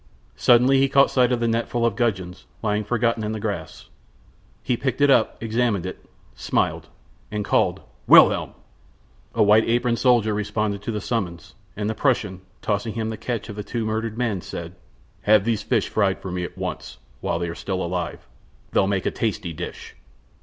Suddenly he caught sight of the net full of gudgeons, lying forgotten in the grass. He picked it up, examined it, smiled, and called: "Wilhelm!" A white aproned soldier responded to the summons, and the Prussian, tossing him the catch of the two murdered men, said: "Have these fish fried for me at once, while they are still alive; they'll make a tasty dish."